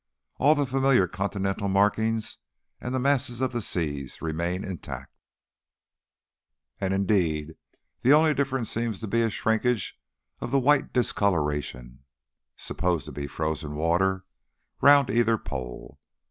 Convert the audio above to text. All the familiar continental markings and the masses of the seas remain intact, and indeed the only difference seems to be a shrinkage of the white discolouration (supposed to be frozen water) round either pole."